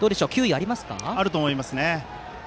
あると思います。